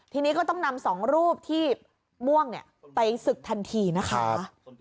ทีนี้ก็ต้องนำสองรูปที่ม่วงไปศึกทันทีนะคะ